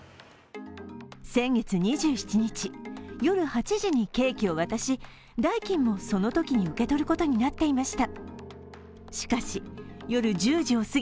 先月２７日夜８時にケーキを渡し代金もそのときに受け取ることになっていました。